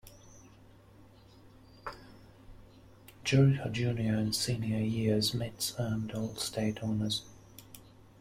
During her junior and senior years, Mitts earned all-state honors.